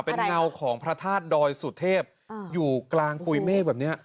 เป็นเงาของพระธาตุดอยสุเทพอยู่กลางปุ๋ยเมฆแบบนี้